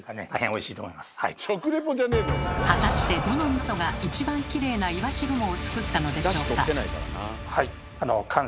果たしてどのみそが一番キレイないわし雲を作ったのでしょうか？